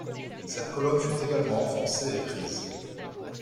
Cette colonne fut également enfoncée et prise.